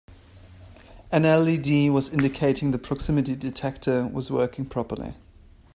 An LED was indicating the proximity detector was working properly.